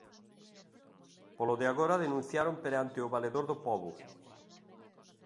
Polo de agora denunciaron perante o Valedor do Pobo.